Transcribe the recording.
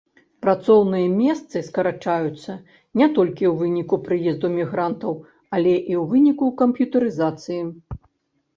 Працоўныя месцы скарачаюцца не толькі ў выніку прыезду мігрантаў, але і ў выніку камп'ютарызацыі.